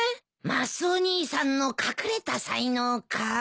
マスオ兄さんの隠れた才能かぁ。